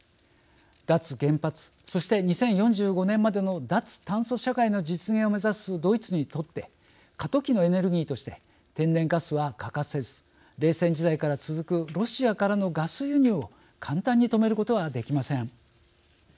脱原発、そして２０４５年までの脱炭素社会の実現を目指すドイツにとって過渡期のエネルギーとして天然ガスは欠かせず冷戦時代から続くロシアからのガス輸入を簡単に止めることはできません。